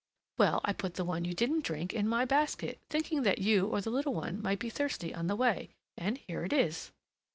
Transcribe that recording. "Well, I put the one you didn't drink in my basket, thinking that you or the little one might be thirsty on the way; and here it is."